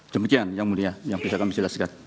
demikian yang mulia yang bisa kami jelaskan